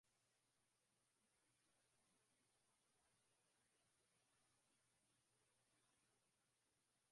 wala kujionyesha kuwa anawachukia wala rushwa Pamoja na kuonyesha utendaji mzuri akiwa Waziri Mkuu